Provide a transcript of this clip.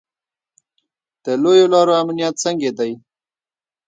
د لویو لارو امنیت څنګه دی؟